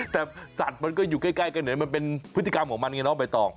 แต่สัตว์มันก็อยู่ใกล้กันเนี่ยมันเป็นพฤติกรรมของมันไงน้องใบตอง